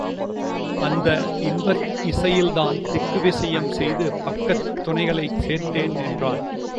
அந்த இன்ப இசையில்தான் திக்கு விசயம் செய்து பக்கத் துணைகளைச் சேர்த்தேன் என்றான்.